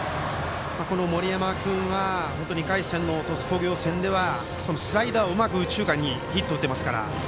森山君は２回戦の鳥栖工業戦ではスライダーをうまく右中間にヒット打っていますから。